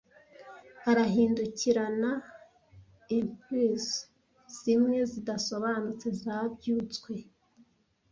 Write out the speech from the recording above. I arahindukira , na impulse zimwe zidasobanutse zabyutswe ,